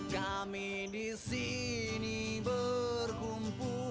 kami disini berkumpul